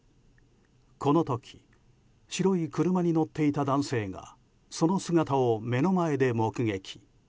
この時白い車に乗っていた男性がその姿を目の前で目撃。